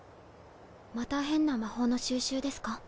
また変な魔法の収集ですか？